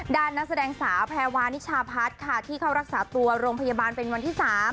นักแสดงสาวแพรวานิชาพัฒน์ค่ะที่เข้ารักษาตัวโรงพยาบาลเป็นวันที่๓